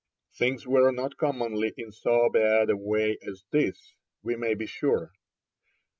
Things were not commonly in so bad a way as this, we may be sure.